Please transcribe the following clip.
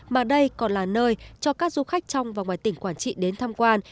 mà đây còn là nơi cho các du khách trong và ngoài tỉnh quảng trị đến tham quan